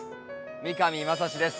三上真史です。